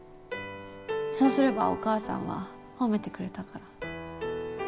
そうすればお母さんは褒めてくれたから。